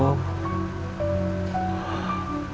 oh tidak pakai